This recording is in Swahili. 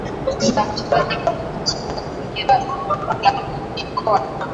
za mchezaji bora wa soka duniani Ballon dOr